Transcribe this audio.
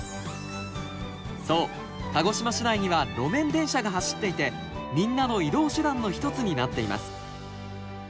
そう鹿児島市内には路面電車が走っていてみんなの移動手段の一つになっています。